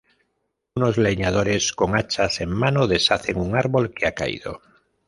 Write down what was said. Unos leñadores, con hachas en mano, deshacen un árbol que ha caído.